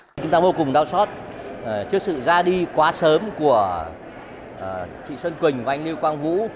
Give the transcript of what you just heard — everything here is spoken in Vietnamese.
chúng ta vô cùng đau xót trước sự ra đi quá sớm của chị xuân quỳnh và anh lưu quang vũ